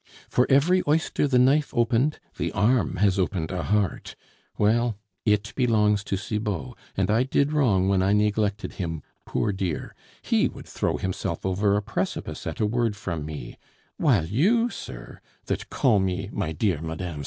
"For every oyster the knife opened, the arm has opened a heart! Well, it belongs to Cibot, and I did wrong when I neglected him, poor dear, HE would throw himself over a precipice at a word from me; while you, sir, that call me 'My dear Mme.